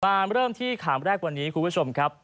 เริ่มที่ข่าวแรกวันนี้คุณผู้ชมครับ